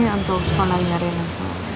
untuk sekolah ingat ingat